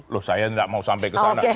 loh saya tidak mau sampai ke sana